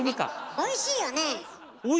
おいしいですよね。